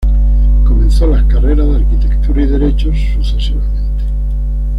Comenzó las carreras de arquitectura y derecho, sucesivamente.